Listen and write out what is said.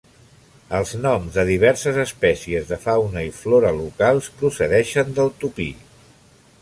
Els noms de diverses espècies de fauna i flora locals procedeixen del tupí.